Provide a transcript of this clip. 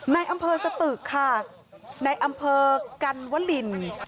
ในอำเภอสตึกค่ะในอำเภอกันวลิน